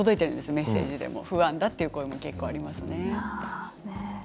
メッセージでも不安だという声が届いています。